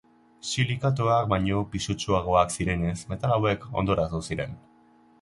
Silikatoak baino pisutsuagoak zirenez, metal hauek hondoratu ziren.